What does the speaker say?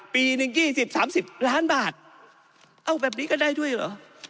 ปีหนึ่ง๒๐๓๐ล้านบาทเอาแบบนี้ก็ได้ด้วยเหรอ